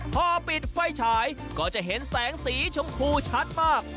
พอปิดไฟฉายก็จะเห็นแสงสีชมพูชัดมาก